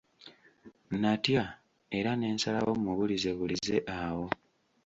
Natya era ne nsalawo mubulizebulize awo.